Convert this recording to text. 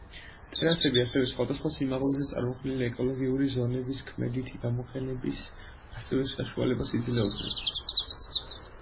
ტერასები ასევე სხვადასხვა სიმაღლეზე წარმოქმნილი ეკოლოგიური ზონების ქმედითი გამოყენების ასევე საშუალებას იძლეოდნენ.